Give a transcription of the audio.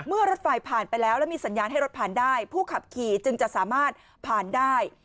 รถไฟผ่านไปแล้วแล้วมีสัญญาณให้รถผ่านได้ผู้ขับขี่จึงจะสามารถผ่านได้